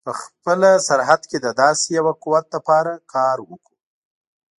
په خپله سرحد کې د داسې یوه قوت لپاره کار وکړو.